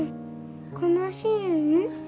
悲しいん？